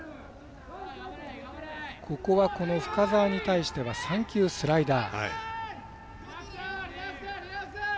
ここは深沢に対しては３球、スライダー。